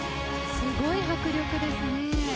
すごい迫力ですね。